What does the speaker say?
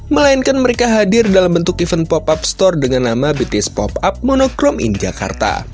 melainkan mereka hadir dalam bentuk event pop up store dengan nama bts pop up monocrome in jakarta